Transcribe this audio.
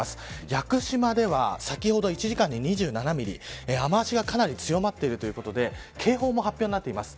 屋久島では先ほど１時間に２７ミリ雨足がかなり強まっている状態で警報も発表になっています。